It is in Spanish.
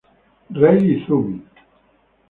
Rei Izumi